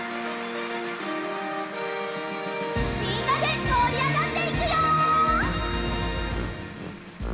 みんなでもりあがっていくよ！